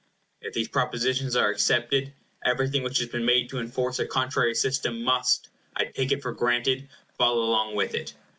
If these propositions are accepted, everything which has been made to enforce a contrary system must, I take it for granted, fall along with it.